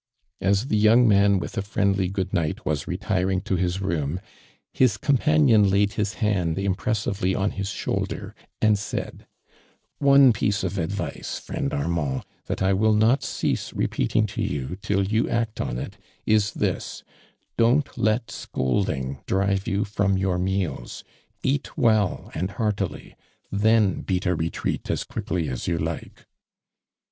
As the young man with a friendly good night, was retiring to his room, his compa nion laid his hand impressively on his shoulder and said: "One piece of advice, friend Annand, that I will not cease repeat ing to you, till you act on it, is this, don't let scolding drive you frorn your meals. Hat well and heartily — tlien oeat a retreat as quickly as you like."